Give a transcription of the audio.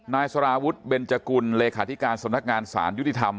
นายสารวุฒิเบนจกุลเลขาธิการสำนักงานสารยุติธรรม